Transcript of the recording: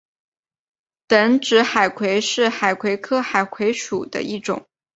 等指海葵是海葵科海葵属的一种。